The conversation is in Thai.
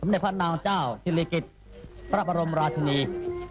เด็จพระนางเจ้าศิริกิจพระบรมราชินี